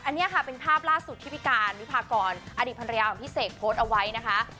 อันนี้ค่ะเป็นภาพล่าสุดที่พี่การวิพากรอดีตภรรยาของพี่เสกโพสต์เอาไว้นะคะ